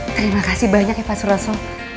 terima kasih banyak ya pak suroso